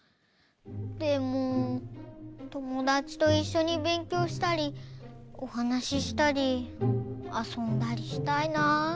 でもともだちといっしょにべんきょうしたりおはなししたりあそんだりしたいな。